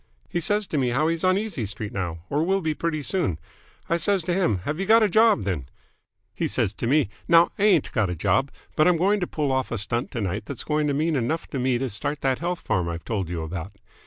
"He says to me how he's on Easy Street now, or will be pretty soon. I says to him 'Have you got a job, then?' He says to me 'Now, I ain't got a job, but I'm going to pull off a stunt to night that's going to mean enough to me to start that health farm I've told you about.'